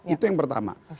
itu yang pertama